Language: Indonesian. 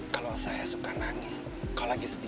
kalau saya suka nangis kalau lagi sedih